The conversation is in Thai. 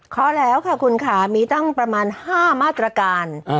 ข้อแล้วค่ะคุณค่ะมีตั้งประมาณ๕มาตรการ